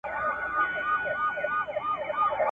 نظرمات ته یې په کار یو ګوندي راسي ,